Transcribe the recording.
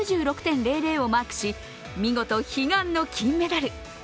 ９６．００をマークし見事、悲願の金メダル。